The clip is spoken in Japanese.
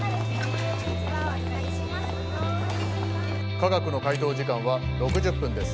・化学の解答時間は６０分です